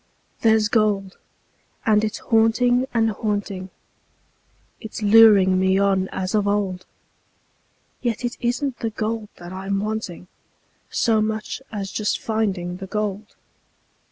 There's gold, and it's haunting and haunting; It's luring me on as of old; Yet it isn't the gold that I'm wanting So much as just finding the gold.